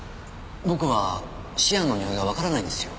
僕はシアンのにおいがわからないんですよ。